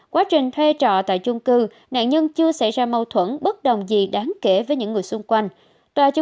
quá trình thuê trọ tại chung cư nạn nhân chưa xảy ra mâu thuẫn bất đồng gì đáng kể với những người xung quanh